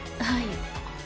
はい。